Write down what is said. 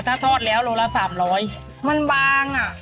ดินหมดเปล่าเพลินมาก